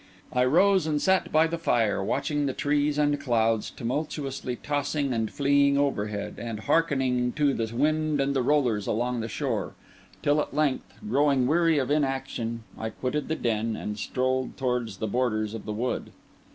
I rose and sat by the fire, watching the trees and clouds tumultuously tossing and fleeing overhead, and hearkening to the wind and the rollers along the shore; till at length, growing weary of inaction, I quitted the den, and strolled towards the borders of the wood.